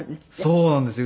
そうなんですよ。